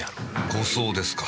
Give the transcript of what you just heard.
護送ですか。